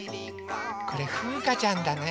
これふうかちゃんだね。